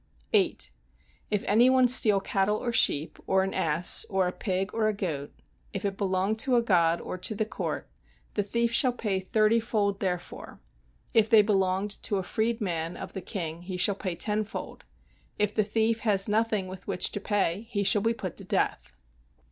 8. If any one steal cattle or sheep, or an ass, or a pig or a goat, if it belong to a god or to the court, the thief shall pay thirtyfold therefor; if they belonged to a freed man [of the king] he shall pay tenfold; if the thief has nothing with which to pay he shall be put to death.